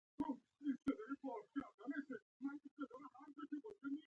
یوازې مخامخ تلای شوای، د دوی دواړو پر موټرو مو رسۍ و تړل.